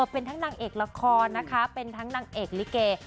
เป็นทั้งนางเอกละครนะคะเป็นทั้งนางเอกลิเก